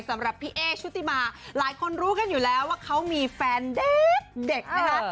สำหรับพี่เอ๊ชุติมาหลายคนรู้กันอยู่แล้วว่าเขามีแฟนเด็กนะคะ